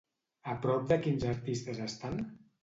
A prop de quins artistes estan?